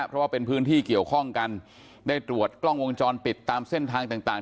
เพราะว่าเป็นพื้นที่เกี่ยวข้องกันได้ตรวจกล้องวงจรปิดตามเส้นทางต่างต่าง